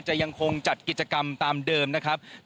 ยังคงจัดกิจกรรมตามเดิมนะครับ